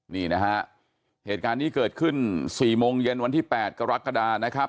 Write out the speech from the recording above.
นี่นะฮะเหตุการณ์นี้เกิดขึ้น๔โมงเย็นวันที่๘กรกฎานะครับ